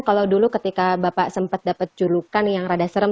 kalau dulu ketika bapak sempat dapat julukan yang rada serem